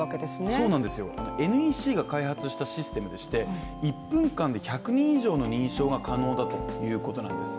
そうなんですよ、ＮＥＣが開発したシステムでして、１分間で１００人以上の認証が可能だということなんです。